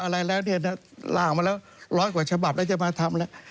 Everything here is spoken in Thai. อะไรแล้วเนี่ยนะล่ามาแล้วร้อยกว่าฉบับแล้วจะมาทำแล้ว